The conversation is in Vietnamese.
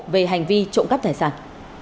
về hành vi trộm cắp tài sản